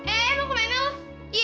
eh mau ke menang nih lo